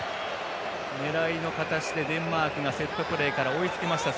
狙いの形でデンマークがセットプレーから追いつきました。